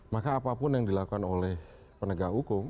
maka apapun yang dilakukan oleh penegak hukum